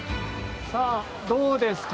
さあ、どうですか？